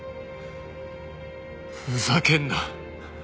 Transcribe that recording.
ふざけんな。